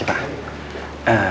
ya terima kasih pak